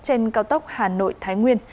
trên cao tốc hà nội thái nguyên